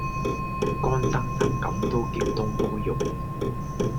乾爭爭咁都叫東坡肉